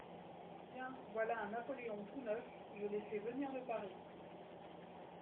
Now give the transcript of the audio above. Tiens, voilà un napoléon tout neuf, je l’ai fait venir de Paris.